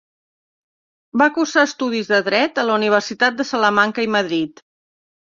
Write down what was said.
Va cursar estudis de dret a la Universitat de Salamanca i Madrid.